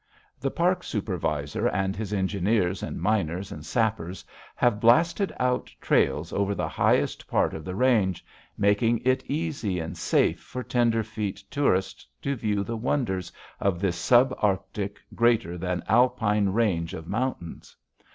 The Park Supervisor and his engineers and miners and sappers have blasted out trails over the highest parts of the range, making it easy and safe for tenderfeet tourists to view the wonders of this sub Arctic, greater than Alpine range of mountains.